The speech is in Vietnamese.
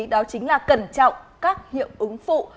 đó chính là cẩn trọng các hiệu ứng phụ